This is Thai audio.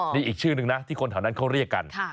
นี่อีกชื่อนึงนะที่คนแถวนั้นเขาเรียกกัน